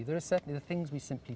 tidak ada standar industri